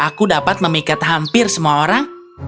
aku dapat memikat hampir semua orang